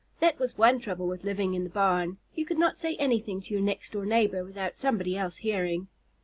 That was one trouble with living in the barn, you could not say anything to your next door neighbor without somebody else hearing.